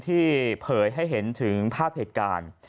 เผยให้เห็นถึงภาพเหตุการณ์